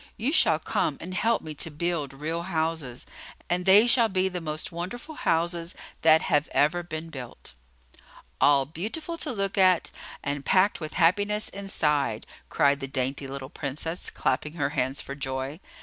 You shall come and help me to build real houses, and they shall be the most wonderful houses that have ever been built." "All beautiful to look at, and packed with happiness inside!" cried the dainty little Princess, clapping her hands for joy.